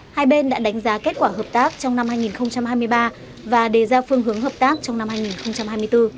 hai bên đã đánh giá kết quả hợp tác trong năm hai nghìn hai mươi ba và đề ra phương hướng hợp tác trong năm hai nghìn hai mươi bốn